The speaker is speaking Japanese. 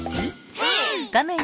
ヘイ！